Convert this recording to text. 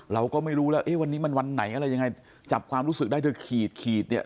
เราก็ไม่รู้แล้วเอ๊ะวันนี้มันวันไหนอะไรยังไงจับความรู้สึกได้เธอขีดขีดเนี่ย